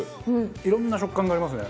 いろんな食感がありますね。